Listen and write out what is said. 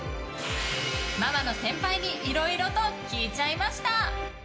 ママの先輩にいろいろと聞いちゃいました。